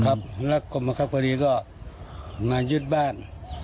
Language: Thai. ครับแล้วกรมกรับคดีก็มายึดบ้าน